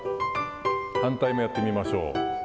反対もやってみましょう。